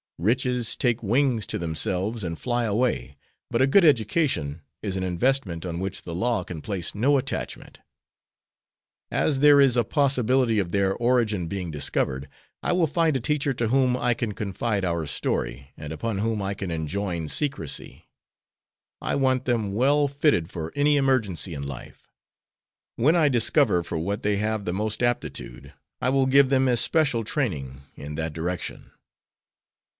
Riches take wings to themselves and fly away, but a good education is an investment on which the law can place no attachment. As there is a possibility of their origin being discovered, I will find a teacher to whom I can confide our story, and upon whom I can enjoin secrecy. I want them well fitted for any emergency in life. When I discover for what they have the most aptitude I will give them especial training in that direction."